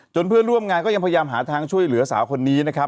เพื่อนร่วมงานก็ยังพยายามหาทางช่วยเหลือสาวคนนี้นะครับ